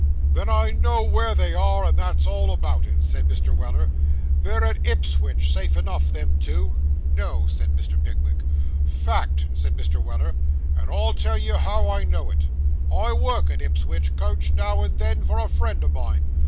'Then I know where they are, and that's all about it,' said Mr. Weller; 'they're at Ipswich, safe enough, them two.' 'No!' said Mr. Pickwick. 'Fact,' said Mr. Weller, 'and I'll tell you how I know it. I work an Ipswich coach now and then for a friend o' mine.